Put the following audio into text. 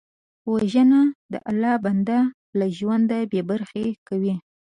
وژنه د الله بنده له ژونده بېبرخې کوي